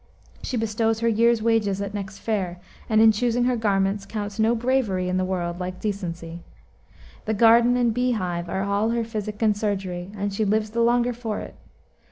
She bestows her year's wages at next fair, and, in choosing her garments, counts no bravery in the world like decency. The garden and bee hive are all her physic and surgery, and she lives the longer for it.